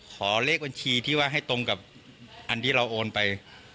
ขอเลขบัญชีที่ว่าให้ตรงกับอันที่เราโอนไป